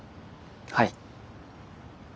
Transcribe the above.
はい。